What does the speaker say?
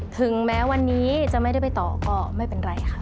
ถึงแม้วันนี้จะไม่ได้ไปต่อก็ไม่เป็นไรค่ะ